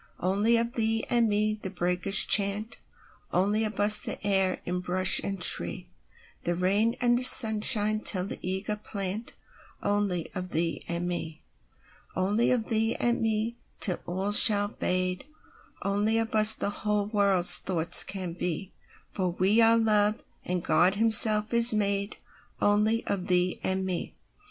Only of thee and me the breakers chant, Only of us the stir in bush and tree; The rain and sunshine tell the eager plantOnly of thee and me. Only of thee and me, till all shall fade; Only of us the whole world's thoughts can be—For we are Love, and God Himself is madeOnly of thee and me.